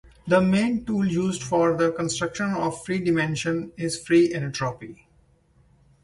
The main tool used for the construction of free dimension is free entropy.